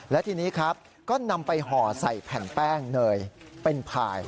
และทีนี้ครับก็นำไปห่อใส่แผ่นแป้งเนยเป็นพาย